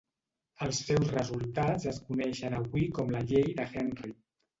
Els seus resultats es coneixen avui com la llei de Henry.